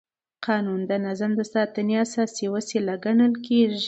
قانون د نظم د ساتنې اساسي وسیله ګڼل کېږي.